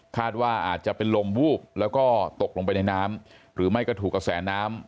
ว่าอาจจะเป็นลมวูบแล้วก็ตกลงไปในน้ำหรือไม่ก็ถูกกระแสน้ำ